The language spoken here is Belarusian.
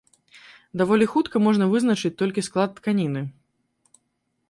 Даволі хутка можна вызначыць толькі склад тканіны.